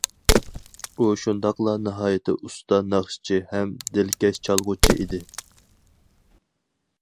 ئۇ شۇنداقلا ناھايىتى ئۇستا ناخشىچى ھەم دىلكەش چالغۇچى ئىدى.